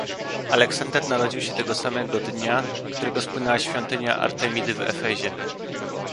Aleksander narodził się tego samego dnia, którego spłonęła świątynia Artemidy w Efezie.